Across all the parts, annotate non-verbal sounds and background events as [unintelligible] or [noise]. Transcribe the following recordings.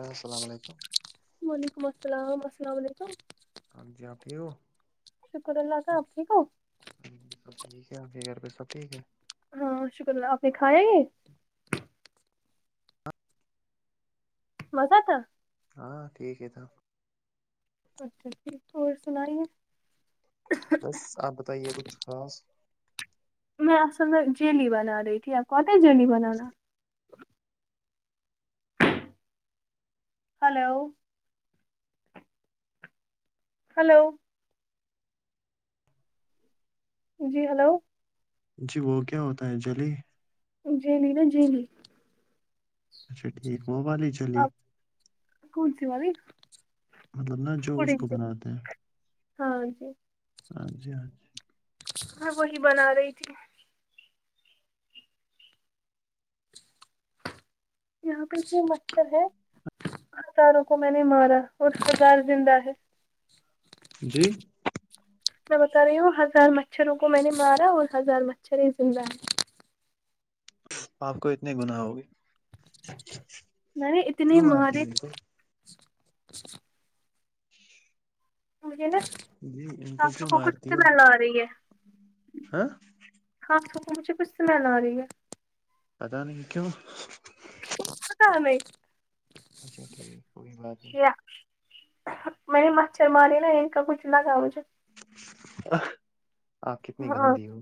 السلام علیکم وعلیکم السلام السلام علیکم ہاں جی آپ ٹھیک ہو شکر اللہ صاحب ٹیک ہو سب ٹھیک ہے آپ کے گھر پہ سب ٹھیک ہے ہاں شکر اللہ آپ نے کھایاے مزہ تھا ہاں ٹھیک ہے تھا اچھا ھیک اور سناائیے بس آپ بتائیے کچھ خاص میں اصل میں جیلی بنا رہی تھی کوت جیلی بنانا ہلو ہلو جی ہلو جی وہ کیا ہوتا ہے جلی جی نہیں نا جی نہیں اچھا ٹھیک موب ہی چلی آپ کون سیوالی مطلب نا جو اس کو بناتے ہیں ہاں جی ہاں جی ہاں جی ہاں وہی بنا رہی تھی یہاں پہ یہ مچھر ہے ہ ساروں کو میں نے مارا اور خزار زندہ ہے جی میں بتا رہی ہوں ہزار مچھروں کو میں نے مارا اور ہزار مچھر ہی زندہ آپ کو اتنی گنااہ ہوگی نہیں اتنے کیوں مارتی مارے ہو ان کو مجھے نا جی ان ہاتھوں کیوں کو کچھ مارتی ہو سمل آ رہی ہے ہاں ہاتھوں کو مجھے کچھ سے سمل آ رہی ہے کیوں پتا نہیں اچھا ٹھیک کؤی بات نہیں یہ میں نے مچھر مارے نا ان کا کچھ لگا مجھے آپ کتنی ہاں گندی ہو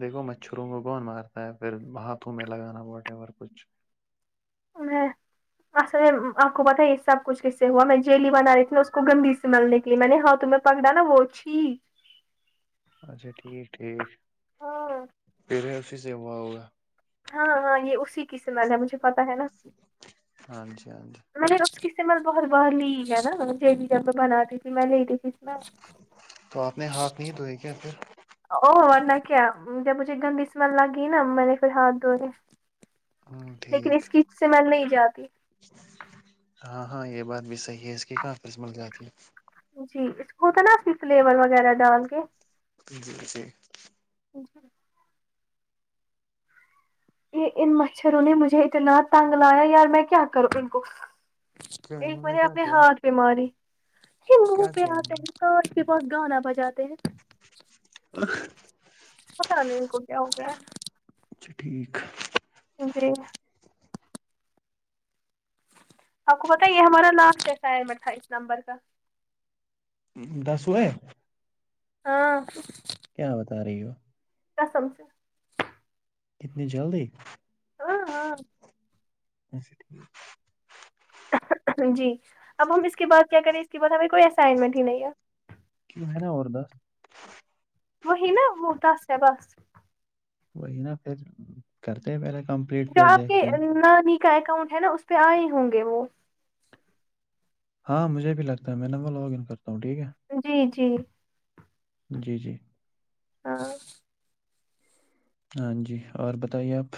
دیکھو مچھروں کو کون مارتا ہے پھر ہاتھوں میں لگانا واٹ ایور کچھ میں اصل میں آپ کو پتا یہ سب کچھ کیسے ہوا میں جیلی بنا رہی تھیوں اس کو گندھیی سے ملنے کے لیے میں نے ہاتھوں میں پکڑا نا وہ چھی اچھا ٹھیک ٹھیک ہاں پھر اسی سے ہوا ہوگا ہاں ہاں یہ اسی کی سمال ہے مجھے پتا ہے نا ہاں جی ہاں جی میں نے اس کی سمل بہت باہر لی ہے نا جب میں بناتی تھی میں لے لی تھی اس میں تو آپ نے ہاتھ نہیں دھوئے کیا پھر او ورنہ کیا جب مجھے گندی سمل لگی نا میں نے پھر ہاتھ دھوڑے ہوں ٹھیک نہیں جاتی ہاں ہاں یہ بات بھی صحیح ہے اس کی کافی سمل آجاتی ہے جی اس کو ہوتا نا اصلی فلیور وغیرہ ڈال کے جی جی [inaudible] یہ ان مچھروں نے مجھے اتنا تنگ لایا یار میں کیا کروں ان کو کیوں ایک انہوں نے مجھے کیا آپنے کیا ہات بیماری منہ کیا پہ کیا انہوں آتے نے ہیں کش کے پاس گانا بجاتے ہیں پتا نہیں ان کو کیا ہو گیا ہے اچھا ٹھیک جی آپ کو پت یہ ہمارا لاسٹ اسسائنمنٹ تھا اس نمبر کا دس ہوئے ہاں کیا بتا رہی ہو قسم سے کتنی جلدی ہاں ہاں اچھا ٹھیک جی اب ہم اس کے بعد کیا کریں اس کے بعد ہمیں کوئی اسائنمنٹ ہی نہیں ہے ہے نا اور دس وہی نا وہ دس ہے بس وہی نا پھر کرتے ہیں پہلے کمپلیٹ جو پھر آپ کے دیکھتے ہیں نانی کا اکاؤنٹ ہے نا اس پہ آئے ہوں گے وہ ہاں مجھے بھی لگتا ہے میں نا وہ لاگ ان کرتا ہوں ٹھیک ہے جی جی جی جی ہاں ہاں جی اور بتائیے آپ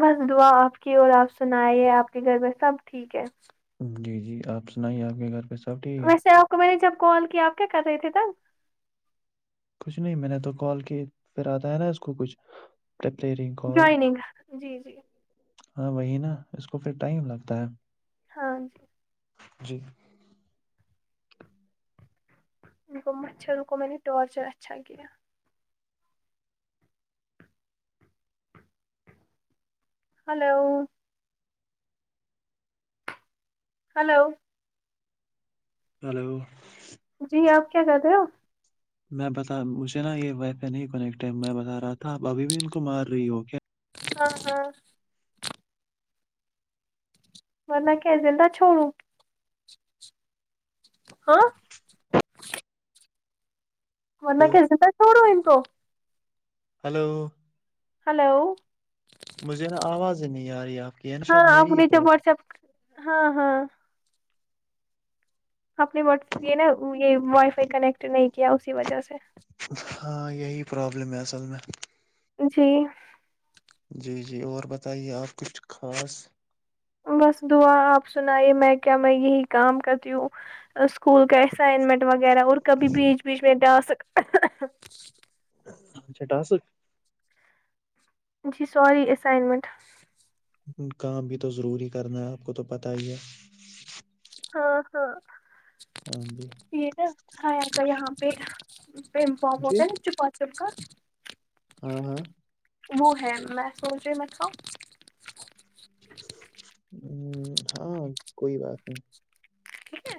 بس دعا آپ کی اور آپ سنائیے آپ کی گھر میں سب ٹھیک ہے جی جی آپ سنائیے آپ کے گھر پہ سب ٹھیک ہے ویسے آپ کو میں نے جب کال کیا آپ کیا کر رہے تھے تب کچھ نہیں میں نے تو کال کی پھر آتا ہے نا اس کو کچھ کال جوائننگ جی جی ہاں وہی نا اس کو پھر ٹائم لگتا ہے ہاں جی جی گک متا رکو میں ارچر اچا کیہ ہلو ہلو ہلو جی آپ کیا کہ رہے ہو میں بتا مجھے نا یہ ویسے نہیں کیکٹ میں بتا رہا تھا ابھی بھی ان کو مار رہی ہو کیا ہاں ہاں مہ کہزل د چھوڑو ہاں من کے زد چوڑو تو ہلو ہلو مجھے نا آواز نہیں آ رہی ہے آپ کی ہے نا شاید ہاں آپ میری ہی جو پرابلم واٹسپ ہاں ہاں آپ نے و یہ نا یہ وائی فائی کنیکٹ نہیں کیا اسی وجہ سے ہاں یہی پرابلم ہے اصل میں جی جی جی اور بتائیے آپ کچھ خاص بس دعا آپ سنائیے میں کیا میں یہی کام کرتی ہوں اسکول کا اسائنمنٹ وغیرہ اور کبھی بیچ بیچ میں ڈا سک اچھا ٹاسک جی سوری اسائنمنٹ کام بھی تو ضروری کرنا ہے آپ کو تو پتا ہی ہے ہاں ہاں ہاں جی یہ نا ہ یہاں پہفار جی ہوتا ہے نا چپ چپا ہاں ہاں وہ ہے میں سوچ رہی میں تھا ہ ہاں کوئی بات نہیں ٹھیک ہے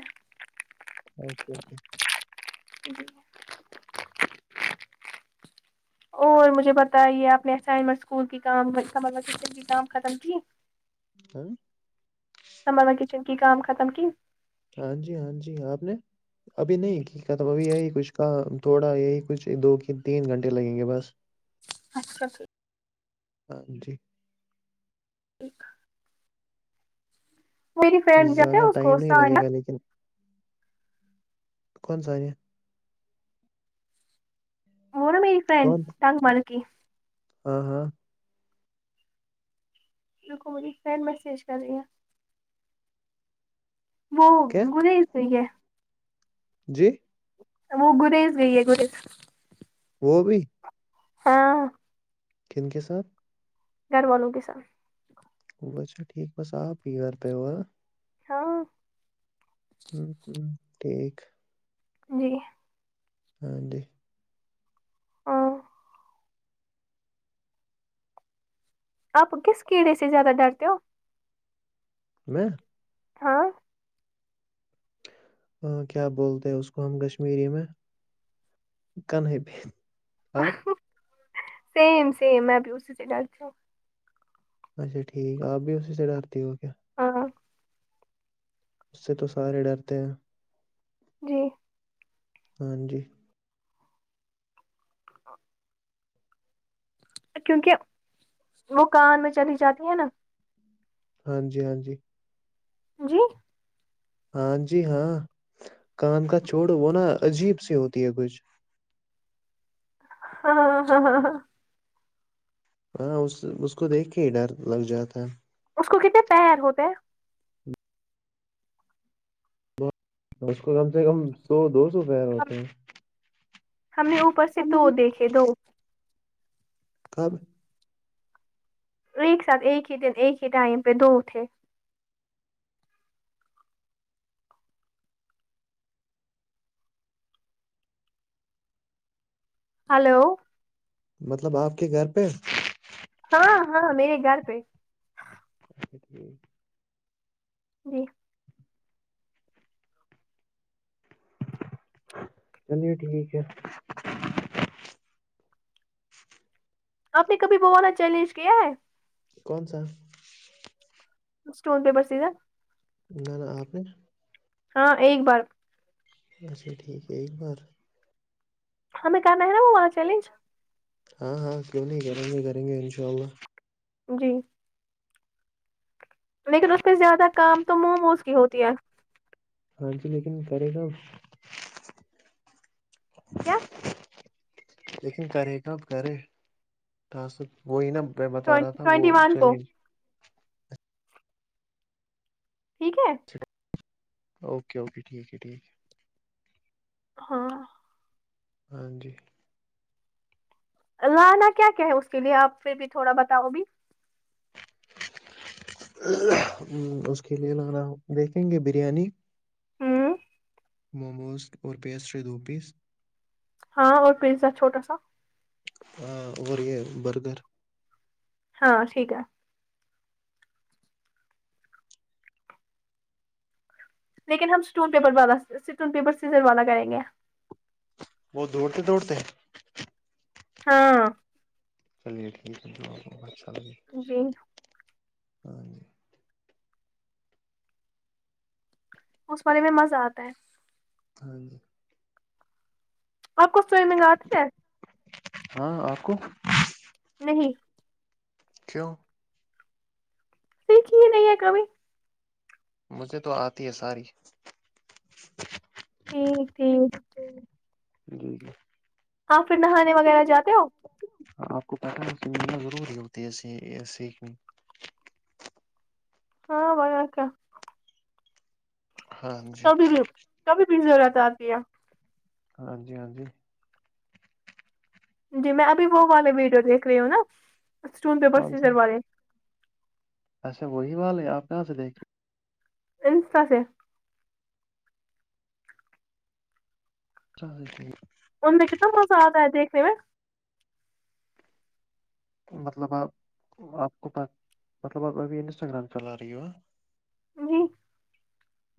اوکے اوکے ک اور مجھے بتائیے آپ نے اسائنمنٹ اسکول کی کام کام ختم کی ہ سمبر میں کچن کی کام ختم کی ہاں جی ہاں جی آپ نے ابھی نہیںھیک توب ابھی یہی کچھ کا تھوڑا یہی کچھ دو تین گھنٹے لگیں گے بس اچھاچھ ہاں جی ایک جاتے زیادہ ہے اس ٹائم کو نہیں لگے سانیہ، گا لیکن کو سانیے وہونا میری فرینڈ کون تگ مل کی ہاں ہاں میں ف سنڈ میسیج کر یہ وہ کیا گ سوئی ہے جی وہ گریز گئی ہے گریز وہ بھی ہاں کن کے ساتھ گھر والوں کے سر وہتا ٹھیک بس آپ ہاں ہوں ہ ٹھیک جی ہاں جی ہاں آپ کس کیڑے سے زیادہ ڈرتے ہو میں ہاں ہاں کیا بولتے ہیں اس کو ہم کشمیری میں کن پ سیم سیم ہے بھی اسی سے گل چ اچھا ٹھیک ہے آپ بھی اسی سےٹ آرتی ہو گ کیا ہاں اس سے تو سارے ڈرتے ہیں جی ہاں جی ہ کیونکہ وہ کان میں چلی جاتی ہے نا ہاں جی ہاں جی جی ہاں جی ہاں کان کا چھوڑ وہ نا عجیب سی ہوتی ہے کچھ ہاں ہ ہاں ہاں ہاں ہاں اس اس کو دیکھ کے ہی ڈر لگ جاتا اس کو کتنے پیر ہوتے ہے اس کو کم سے کم سو دو سو پیر ہم ہوتے ہیں ہم نے اوپر سے دو دیکھے دو کب ایک ساتھ ایک ہی دن ایک ہی ائم پہ دو تھے ہلو مطلب آپ کے گھر پہ ہاں ہاں میرے گھر پہ اچھا ٹھیک جی چلیے ٹھیک ہے آپ نے کبھی بوانا چیلنج کیا ہے کون سا اسٹون پیپر س گا نہ نہ آپ نے ہاں ایک بار اچھا ٹھیک ہے ایک بات ہمیں کرنا ہے نا وہاں چیلنج ہاں ہاں کیوں نہیں کریں گے کریں گے ان شاء اللہ جی لیکن اس پہ زیادہ کام تو مو موز کی ہوتی ہے ہاں جی لیکن کرے گا کیا [unintelligible] لیکن کرے کب کرے تو س وہی نا میں بتا رہا تھا وہ ٹوینٹی ون کو چیلنج ٹھیک ہے اوکے اوکے ٹھیک ہے ٹھیک ہے ہاں ہاں جی لانا کیا کیا ہے اس کے لیے آپ پھر بھی تھوڑا بتاؤ ا بھیھی اس کے لیے لگانا دیکھیں گے بریانی ہ موموز اور پیسٹری دو پیس ہاں اور پیزا چھوٹا سا ہاں اور یہ برگر ہاں ٹھیک ہے لیکن ہم اسٹون پیپر والاٹون پیپر سیزر والا کریں گے وہ دوڑتے دوڑتے ہیں ہاں چلیے ٹھیک ہے جہ اچھا لگے جی ہاں جی اس والارے میں مزہ آتا ہے ہاں جی آپ کو سوئمنگ آتی ہے ہاں آکو نہیں کیوں سیک ہی نہیں ہے کب مجھے تو آتی ہے ساری ٹھیک ٹھیک جی جی آپ پھر نہانے وغیرہ جاتے ہو آپ کو پیٹرن ملنا ضروری ہوتی ہے ایے سیکھ میں ہاں بکا ہاں جی کبھی بھی کبھی بھی ضرورت آتی ہے ہاں جی ہاں جی جی میں ابھی وہ والے ویڈیو دیکھ رہی ہوں نا اسٹون کون سی پروسیر والے اچھا وہی وال ہے آپ کہاں سے دیکھے انس کا سے چی ٹھیک ان میں کتنا موزہ آتا ہے دیکھنے میں مطلب آپ آپ کو مطلب آپ ابھی انسٹاگرام چلا رہی ہو جی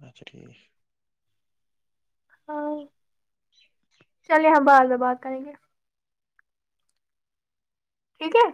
اچھا ٹھیک ہاں چلیے ہماں باتد بات کریں گے ٹھیک ہے